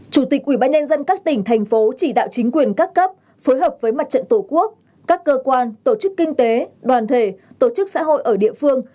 chủ tịch ubnd các tỉnh thành phố chỉ đạo chính quyền các cấp phối hợp với mặt trận tổ quốc các cơ quan tổ chức kinh tế đoàn thể tổ chức xã hội ở địa phương